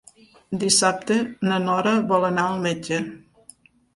Dissabte na Nora vol anar al metge.